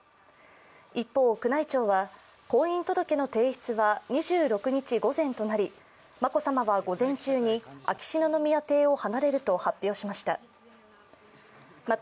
一方、宮内庁は婚姻届の提出は２６日午前となり眞子さまは午前中に秋篠宮邸を離れると発表しました。